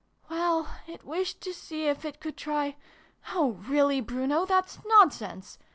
" Well, it wished to see if it could try oh, really, Bruno, that's nonsense